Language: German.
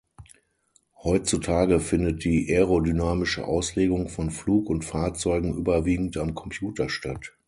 Heutzutage findet die aerodynamische Auslegung von Flug- und Fahrzeugen überwiegend am Computer statt.